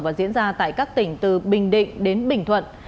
và diễn ra tại các tỉnh từ bình định đến bình thuận